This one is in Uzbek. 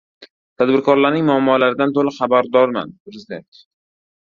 Tadbirkorlarning muammolaridan to‘liq xabardorman — Prezident